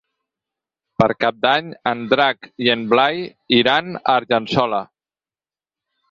Per Cap d'Any en Drac i en Blai iran a Argençola.